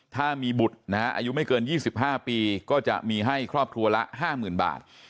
ถ้ามีบุตรนะฮะอายุไม่เกิน๒๕ปีก็จะมีให้ครอบครัวละ๕๐๐๐บาท